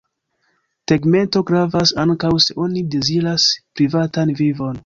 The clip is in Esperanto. Tegmento gravas ankaŭ se oni deziras privatan vivon.